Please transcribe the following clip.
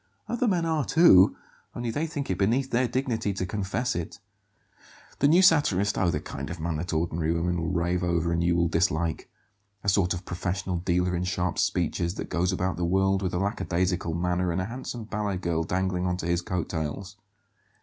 "Other men are, too, only they think it beneath their dignity to confess it. The new satirist? Oh, the kind of man that ordinary women will rave over and you will dislike. A sort of professional dealer in sharp speeches, that goes about the world with a lackadaisical manner and a handsome ballet girl dangling on to his coat tails."